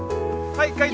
はい。